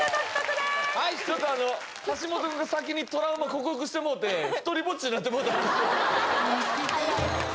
でーすちょっとあの橋本くんが先にトラウマ克服してもうてひとりぼっちになってもうたんですよ